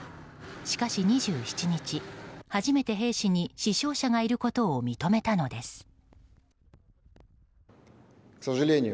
しかし２７日、初めて兵士に死傷者がいることを認めたのです。